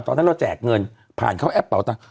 ตอนนั้นเราแจกเงินผ่านเข้าแอปเป่าตังค